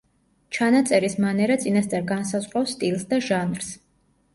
ჩანაწერის მანერა წინასწარ განსაზღვრავს სტილს და ჟანრს.